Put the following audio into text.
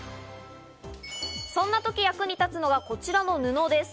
そんなとき役に立つのはこちらの布です。